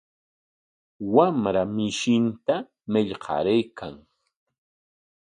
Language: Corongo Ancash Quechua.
Wamra mishinta marqaraykan.